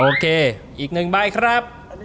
โอเคอีกหนึ่งใบครับ